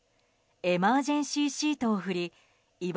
エマージェンシーシートを振り居